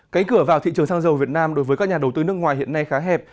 cáy cửa vào thị trường xăng dầu việt nam đối với các nhà đầu tư nước ngoài hiện nay khá hẹp